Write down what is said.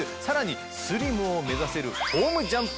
さらにスリムを目指せる。